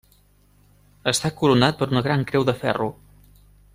Està coronat per una gran creu de ferro.